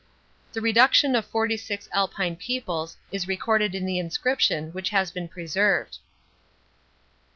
The reduction of 46 Alpine peoples is recorded in the inscription, which has been preserved.